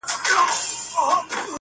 سپينه خولگۍ راپسي مه ږغوه،